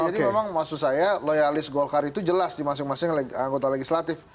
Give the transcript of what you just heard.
jadi memang maksud saya loyalis golkar itu jelas di masing masing anggota legislatif